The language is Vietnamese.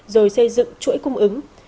rồi xây dựng chuỗi cung ứng